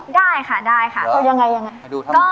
ได้ค่ะได้ค่ะ